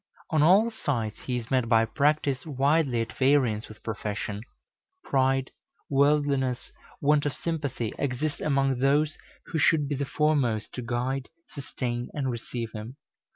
On all sides he is met by practice widely at variance with profession. Pride, worldliness, want of sympathy exist among those who should be the foremost to guide, sustain, and receive him.